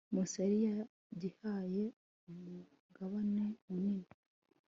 musa yari yagihaye umugabane munini